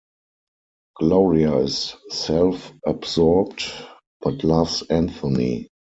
Gloria is self-absorbed but loves Anthony.